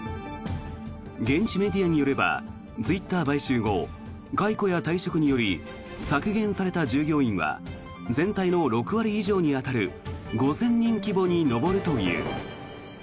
現地メディアによればツイッター買収後解雇や退職により削減された従業員は全体の６割以上に当たる５０００人規模に上るという。